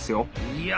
いや